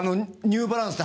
ニューバランス。